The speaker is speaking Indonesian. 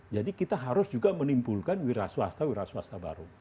jadi kita harus juga menimpulkan wira swasta wira swasta baru